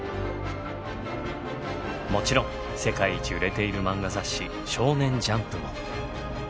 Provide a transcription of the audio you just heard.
もちろん世界一売れているマンガ雑誌「少年ジャンプ」も。